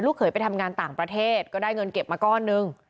เคยไปทำงานต่างประเทศก็ได้เงินเก็บมาก้อนหนึ่ง